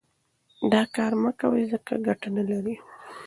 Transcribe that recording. دا کار مه کوئ ځکه چې ګټه نه لري.